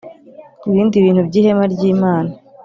Ibindi bintu by Ihema ry Imana